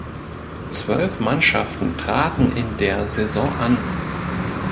Zwölf Mannschaften traten in der Saison an.